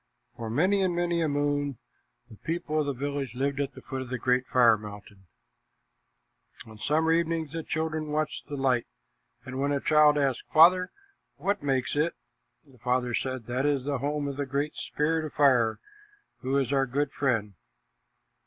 For many and many a moon the people of the village lived at the foot of the great fire mountain. On summer evenings, the children watched the light, and when a child asked, "Father, what makes it?" the father said, "That is the home of the Great Spirit of Fire, who is our good friend."